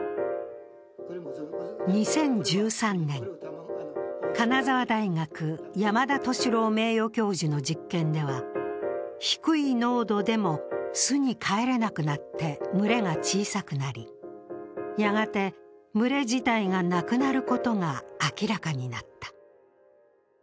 ２０１３年、金沢大学・山田敏郎名誉教授の実験では低い濃度でも巣に帰れなくなって群れが小さくなり、やがて群れ自体がなくなることが明らかになった。